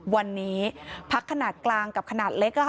วันนี้พักขนาดกลางกับขนาดเล็ก